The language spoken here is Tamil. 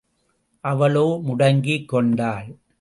அவளோ முடங்கிக் கொண்டாள்.